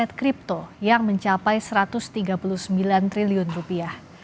aset kripto yang mencapai satu ratus tiga puluh sembilan triliun rupiah